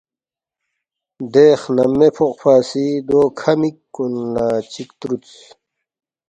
دے خنم مے فوقفا سی دو کھہ مِک کُن لہ چِک تُرودس،